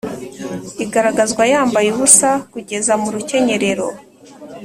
igaragazwa yambaye ubusa kugeza mu rukenyerero